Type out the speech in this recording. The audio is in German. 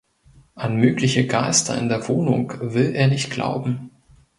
An mögliche Geister in der Wohnung will er nicht glauben.